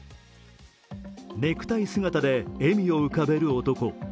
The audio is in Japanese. ネクタイ姿が笑みを浮かべる男。